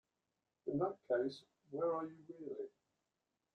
In that case, where are you, really?